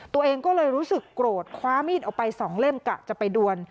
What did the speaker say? ตัวเองก็เลยรู้สึกโกรธคว้ามีดออกไปสองเล่มกะจะไปดวน